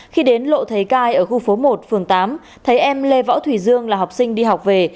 khi đến lộ thầy cai ở khu phố một phường tám thấy em lê võ thủy dương là học sinh đi học về